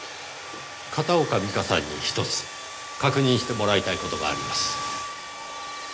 片岡美加さんにひとつ確認してもらいたい事があります。